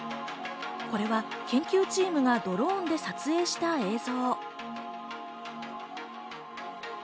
これは研究チームがドローンで撮影した映像。